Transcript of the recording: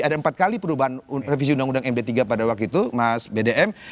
ada empat kali perubahan revisi undang undang md tiga pada waktu itu mas bdm